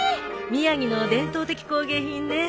宮城の伝統的工芸品ね。